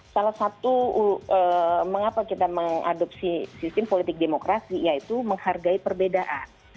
salah satu mengapa kita mengadopsi sistem politik demokrasi yaitu menghargai perbedaan